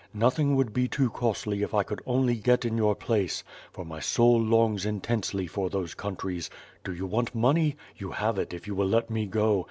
Nothing would be too costly if I could only get in your place; for my soul longs intensely for those countries. Do you want money? You have it if you will let me go.